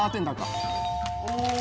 お！